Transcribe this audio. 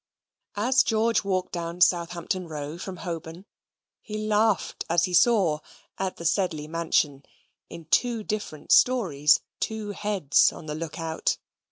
As George walked down Southampton Row, from Holborn, he laughed as he saw, at the Sedley Mansion, in two different stories two heads on the look out.